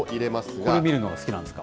これ見るのが好きなんですか。